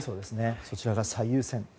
そちらが最優先。